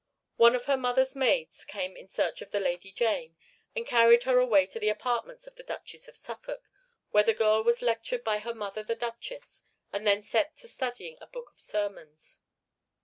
One of her mother's maids came in search of the Lady Jane, and carried her away to the apartments of the Duchess of Suffolk, where the girl was lectured by her mother the Duchess, and then set to studying a book of sermons.